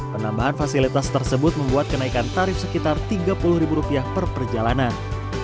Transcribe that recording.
penambahan fasilitas tersebut membuat kenaikan tarif sekitar rp tiga puluh per perjalanan